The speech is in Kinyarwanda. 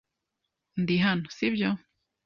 Ndi hano, sibyo?